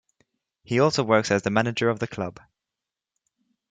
He also works as the manager of the club.